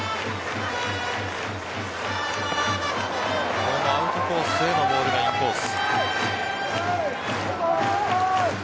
これもアウトコースへのボールがインコース。